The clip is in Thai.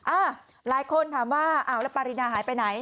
อ่าหลายคนถามว่าอ้าวแล้วปารินาหายไปไหน